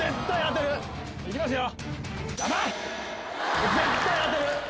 行きますよ